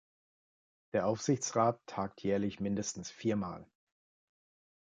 Der Aufsichtsrat tagt jährlich mindestens viermal.